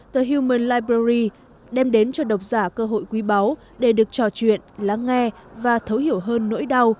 the human livberry đem đến cho độc giả cơ hội quý báu để được trò chuyện lắng nghe và thấu hiểu hơn nỗi đau